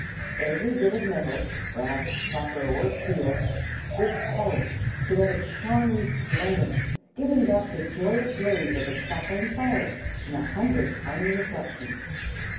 Every bit of metal brass, copper, or steel was polished so that it shone resplendent, giving back the joyous blaze of the crackling fire in a hundred tiny reflections.